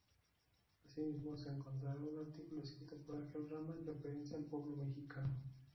Asimismo, se encontrará un artículo escrito por Ángel Rama en referencia al pueblo mexicano.